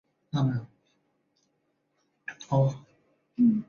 死后谥号恭公。